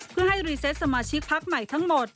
เพื่อให้รีเซตสมาชิกพักใหม่ทั้งหมด